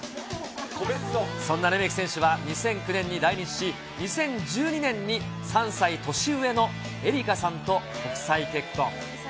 そんなレメキ選手は２００９年に来日し、２０１２年に３歳年上の恵梨佳さんと国際結婚。